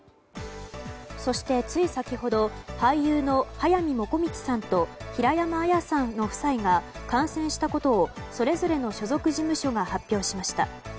そして、つい先ほど俳優の速水もこみちさんと平山あやさんの夫妻が感染したことをそれぞれの所属事務所が発表しました。